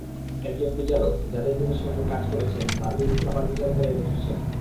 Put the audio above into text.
একজন বিচারক, যিনি যাঁদের সঙ্গে কাজ করছেন, তাঁর বিরুদ্ধে আবার বিচারকেরাই বসেছেন।